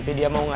kalau mau jalan